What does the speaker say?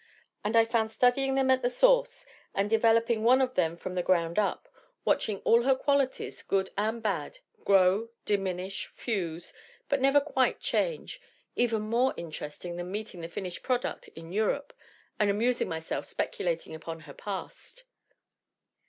And I found studying them at the source and develop ing one of them from 'the ground up/ watching all her qualities good and bad grow, diminish, fuse, but never quite change, even more interesting than meeting the finished product in Europe and amusing myself speculating upon her past."